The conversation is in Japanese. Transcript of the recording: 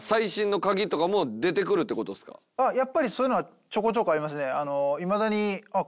やっぱりそういうのはちょこちょこありますね。